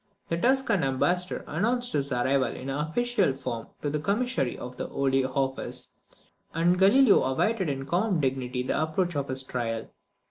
The Tuscan ambassador announced his arrival in an official form to the commissary of the holy office, and Galileo awaited in calm dignity the approach of his trial.